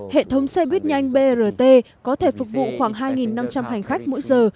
hệ thống xe buýt nhanh brt có thể phục vụ khoảng hai năm trăm linh hành khách mỗi giờ